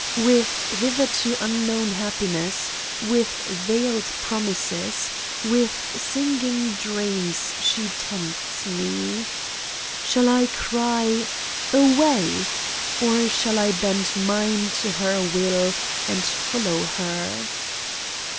With hitherto unknown happiness, with veiled promises, with singing dreams she tempts Me! Shall I cry: Away! or shall I bend mine to her will and fol low her!